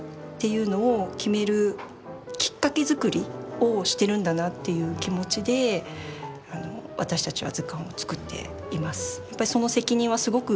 をしてるんだなという気持ちで私たちは図鑑を作っています。